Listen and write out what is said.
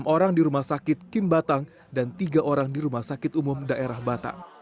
enam orang di rumah sakit kim batang dan tiga orang di rumah sakit umum daerah batang